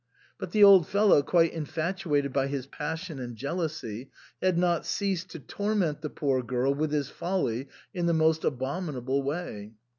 But the old fellow, quite infatuated by his passion and jealousy, had not ceased to torment the poor girl with his folly in the most abominable way.